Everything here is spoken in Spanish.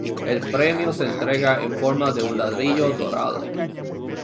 El premio se entrega en forma de un ladrillo dorado.